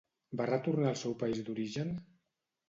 Va retornar al seu país d'origen?